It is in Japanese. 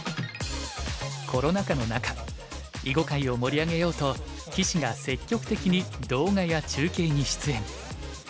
コロナ禍の中囲碁界を盛り上げようと棋士が積極的に動画や中継に出演。